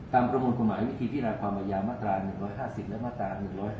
ตามประมวลคุณหมายวิธีพิราชความอาญามาตรา๑๕๐และมาตรา๑๕๕๑